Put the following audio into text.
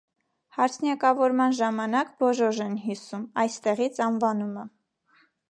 Հարսնյակավորման ժամանակ բոժոժ են հյուսում (այստեղից՝ անվանումը)։